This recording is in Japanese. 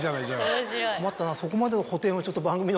困ったな。